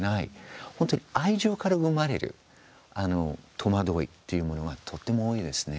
本当に愛情から生まれる戸惑いっていうものがとっても多いですね。